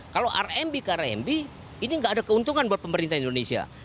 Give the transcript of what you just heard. kalau rmb ke rmb ini nggak ada keuntungan buat pemerintah indonesia